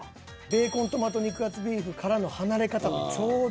ベーコントマト肉厚ビーフからの離れ方がちょうど。